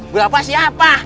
gua apa siapa